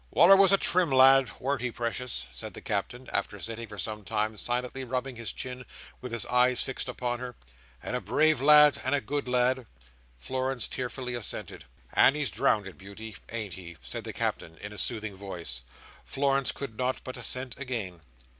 "Wal"r was a trim lad, warn't he, precious?" said the Captain, after sitting for some time silently rubbing his chin, with his eyes fixed upon her, "and a brave lad, and a good lad?" Florence tearfully assented. "And he's drownded, Beauty, ain't he?" said the Captain, in a soothing voice. Florence could not but assent again.